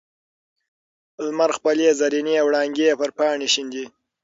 لمر خپلې زرینې وړانګې پر پاڼه شیندي.